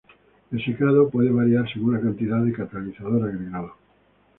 El secado puede variar según la cantidad de catalizador agregado.